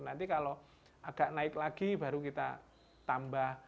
nanti kalau agak naik lagi baru kita tambah